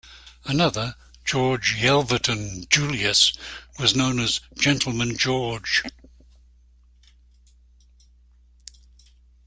Another, George Yelverton Julius, was known as "Gentleman George".